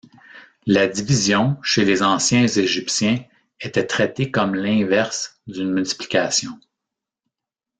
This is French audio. La division chez les anciens Égyptiens était traitée comme l'inverse d'une multiplication.